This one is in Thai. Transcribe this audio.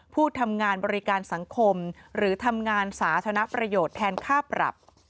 ผู้ทำงานบริการสังคมหรือทำงานสาธารณประโยชน์แทนค่าปรับ